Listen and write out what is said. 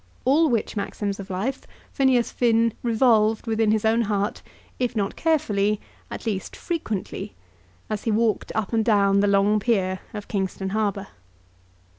All which maxims of life Phineas Finn revolved within his own heart, if not carefully, at least frequently, as he walked up and down the long pier of Kingston Harbour.